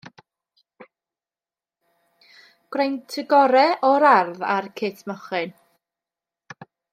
Gwnaent y gorau o'r ardd a'r cut mochyn.